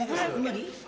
無理？